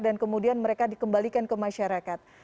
dan kemudian mereka dikembalikan ke masyarakat